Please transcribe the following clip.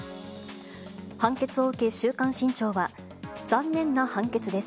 判決を受け、週刊新潮は残念な判決です。